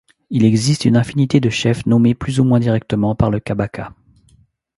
Il existe une infinité de chefs nommés plus ou moins directement par le Kabaka.